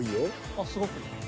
あっすごく。